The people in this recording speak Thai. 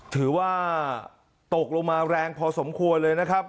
ถือว่าตกลงมาแรงพอสมควรเลยนะครับ